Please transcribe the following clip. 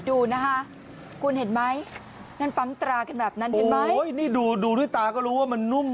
ดูค่ะคุณเห็นไหมดูด้วยตาก็รู้ว่ามันนุ่มอ่ะ